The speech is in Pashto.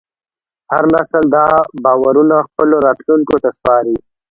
هر نسل دا باورونه خپلو راتلونکو ته سپاري.